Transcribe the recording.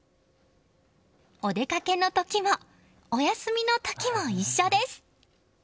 お出かけの時もお休みの時も一緒です。